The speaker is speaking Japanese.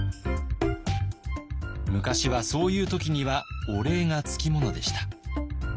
昔はそういう時にはお礼が付き物でした。